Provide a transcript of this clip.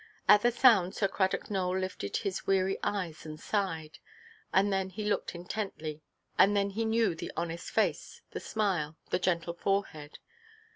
At the sound, Sir Cradock Nowell lifted his weary eyes and sighed; and then he looked intently; and then he knew the honest face, the smile, the gentle forehead.